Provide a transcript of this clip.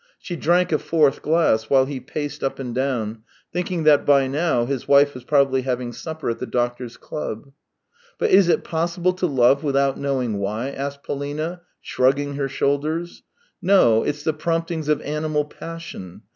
She drank a fourth glass, while he paced up and down, thinking that by now his wife was probably having supper at the doctors' club. " But is it possible to love without knowing wliv ?" asked Polina, shrugging her shoulders. " No; it's the prompting of animal passion